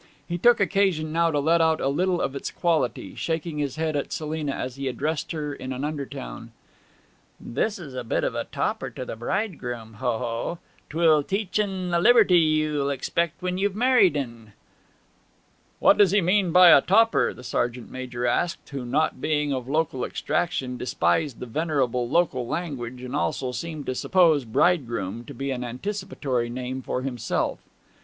He took occasion now to let out a little of its quality, shaking his head at Selina as he addressed her in an undertone 'This is a bit of a topper to the bridegroom, ho ho! 'Twill teach en the liberty you'll expect when you've married en!' 'What does he mean by a "topper,"' the sergeant major asked, who, not being of local extraction, despised the venerable local language, and also seemed to suppose 'bridegroom' to be an anticipatory name for himself.